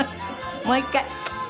もう１回。